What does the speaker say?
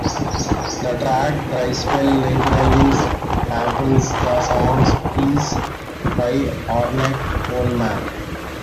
The track "Dryspell" liberally samples the song "Peace" by Ornette Coleman.